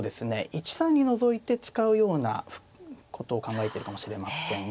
１三にのぞいて使うようなことを考えているかもしれませんね。